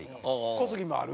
小杉もある？